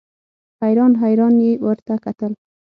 حیران حیران یې ورته کتل.